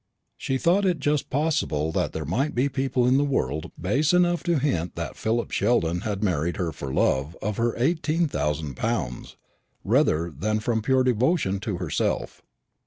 She thought it just possible that there might be people in the world base enough to hint that Philip Sheldon had married her for love of her eighteen thousand pounds, rather than from pure devotion to herself.